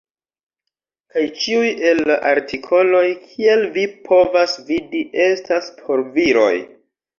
Kaj ĉiuj el la artikoloj, kiel vi povas vidi, estas por viroj.